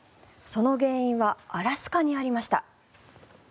その原因はアラスカにありました。